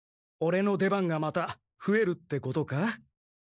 オレの出番がまたふえるってことか？